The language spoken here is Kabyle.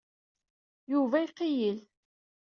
Yuba iqeyyel.